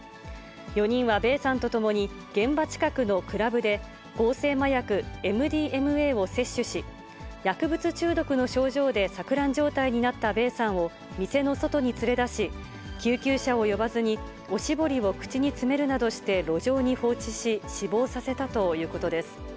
４人はベーさんと共に、現場近くのクラブで合成麻薬ＭＤＭＡを摂取し、薬物中毒の症状で錯乱状態になったベーさんを店の外に連れ出し、救急車を呼ばずに、おしぼりを口に詰めるなどして路上に放置し、死亡させたということです。